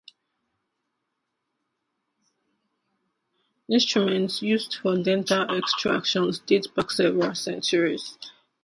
Instruments used for dental extractions date back several centuries.